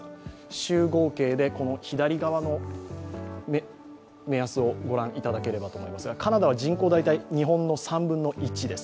週合計で左側の目安をご覧いただければと思いますがカナダは人口、大体、日本の３分の１です。